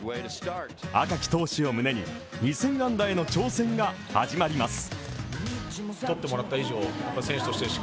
赤き闘志を胸に２０００安打への挑戦が始まります。